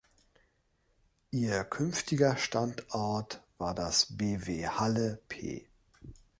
Ihr künftiger Standort war das Bw Halle-P.